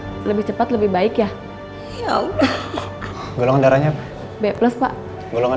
gitu sus iya mbak lebih cepat lebih baik ya ya udah golongan darahnya b plus pak golongan